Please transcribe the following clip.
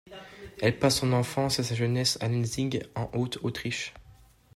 Elle passe son enfance et sa jeunesse à Lenzing, en Haute-Autriche.